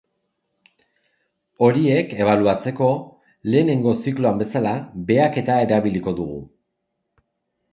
Horiek ebaluatzeko, lehenengo zikloan bezala, behaketa erabiliko dugu.